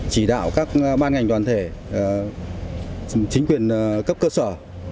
chỉ đạo các ban ngành đoàn thể chính quyền cấp cơ sở